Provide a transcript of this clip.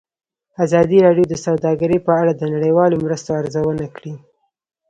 ازادي راډیو د سوداګري په اړه د نړیوالو مرستو ارزونه کړې.